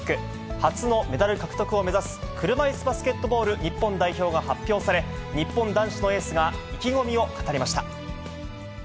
初のメダル獲得を目指す、車いすバスケットボール日本代表が発表され、日本男子のエースが意気込みを語りました。